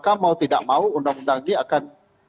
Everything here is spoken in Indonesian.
au undang undang dia akan